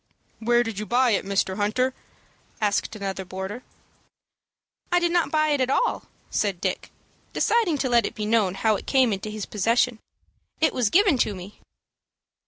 "Where did you buy it, Mr. Hunter?" asked another boarder. "I did not buy it at all," said Dick, deciding to let it be known how it came into his possession. "It was given to me."